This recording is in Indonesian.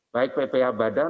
baik ppa badan